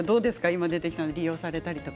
今出てきたもの利用されたりとか。